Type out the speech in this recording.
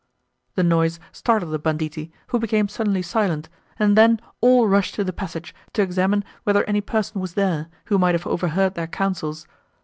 The noise startled the banditti, who became suddenly silent, and then all rushed to the passage, to examine whether any person was there, who might have overheard their councils.